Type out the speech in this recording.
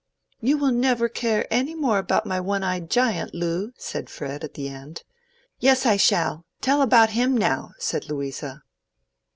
"You will never care any more about my one eyed giant, Loo," said Fred at the end. "Yes, I shall. Tell about him now," said Louisa.